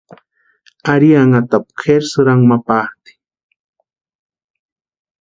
Ari anhatapu kʼeri sïrankwa ma patʼi.